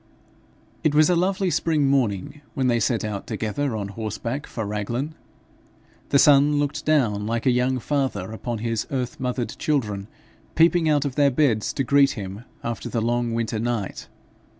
It was a lovely spring morning when they set out together on horseback for Raglan. The sun looked down like a young father upon his earth mothered children, peeping out of their beds to greet him after the long winter night.